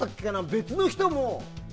別の人も。